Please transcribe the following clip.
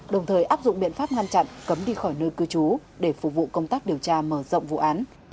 đồng thời áp dụng biện pháp ngăn chặn cấm đi khỏi nơi cư trú để phục vụ công tác điều tra mở rộng vụ án